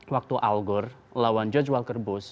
waktu algor lawan george walker bush